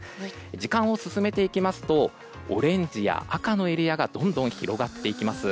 時間を進めていきますとオレンジや赤のエリアがどんどん広がっていきます。